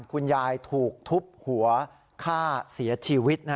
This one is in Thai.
คุณยายถูกทุบหัวฆ่าเสียชีวิต